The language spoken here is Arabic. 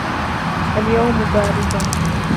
اليوم بارد.